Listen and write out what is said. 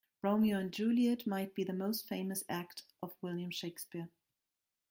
Romeo and Juliet might be the most famous act of William Shakespeare.